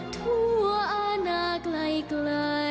ทั่วอาณาไกล